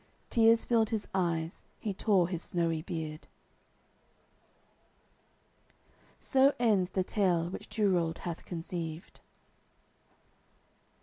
Tears filled his eyes, he tore his snowy beard. SO ENDS THE TALE WHICH TUROLD HATH CONCEIVED.